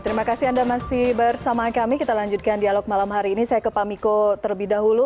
terima kasih anda masih bersama kami kita lanjutkan dialog malam hari ini saya ke pak miko terlebih dahulu